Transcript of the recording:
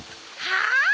はあ！？